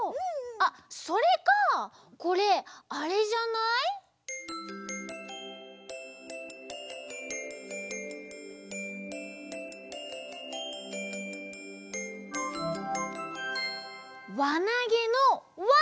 あっそれかこれあれじゃない？わなげのわ！